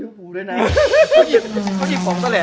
โอ้ยครับไม่เจอกันแล้ว